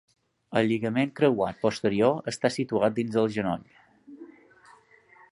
El lligament creuat posterior està situat dins del genoll.